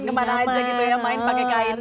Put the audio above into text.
kemana aja gitu ya main pakai kain